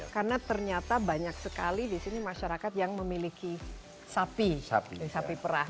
karena ternyata banyak sekali di sini masyarakat yang memiliki sapi perah